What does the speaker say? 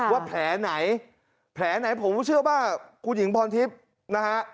ว่าแผลไหนแผลไหนผมเชื่อว่าคุณหญิงพรทิพย์นะฮะ